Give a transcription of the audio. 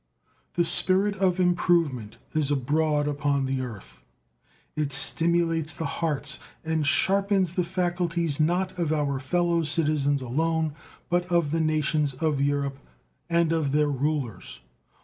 The spirit of improvement is abroad upon the earth. It stimulates the hearts and sharpens the faculties not of our fellow citizens alone, but of the nations of Europe and of their rulers.